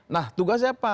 nah tugasnya apa